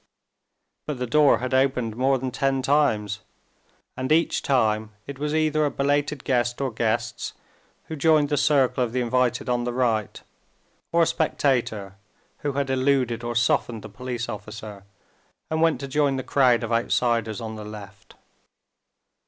But the door had opened more than ten times, and each time it was either a belated guest or guests, who joined the circle of the invited on the right, or a spectator, who had eluded or softened the police officer, and went to join the crowd of outsiders on the left.